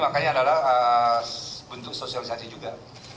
makanya adalah bentuk sosialisasi juga